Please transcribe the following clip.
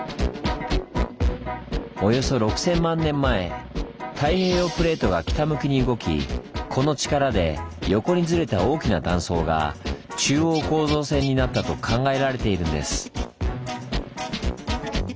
およそ６，０００万年前太平洋プレートが北向きに動きこの力で横にずれた大きな断層が中央構造線になったと考えられているんです。